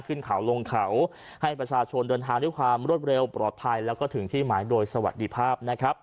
ขึ้นเขาลงเขาให้ประชาชนเดินทางด้วยความรวดเร็วปลอดภัยแล้วก็ถึงที่หมายโดยสวัสดีภาพนะครับ